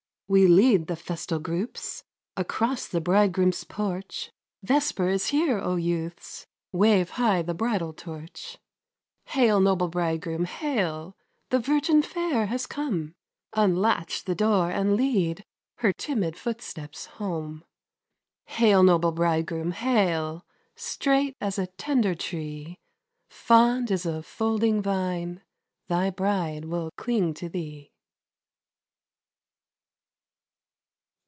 We lead the festal groups Across the bridegroom's porch; Vesper is here, O youths! Wave high the bridal torch. Hail, noble bridegroom, hail! The virgin fair has come; Unlatch the door and lead Her timid footsteps home. Hail, noble bridegroom, hail! Straight as a tender tree; Fond as a folding vine Thy bride will cling to thee.